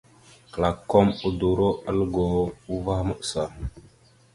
Klakom udoróalgo uvah maɓəsa.